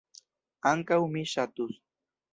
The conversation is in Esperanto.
Ankaŭ mi ŝatus.